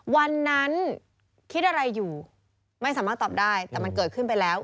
วันนั้นคิดอะไรอยู่ไม่สามารถตอบได้แต่มันเกิดขึ้นไปแล้ว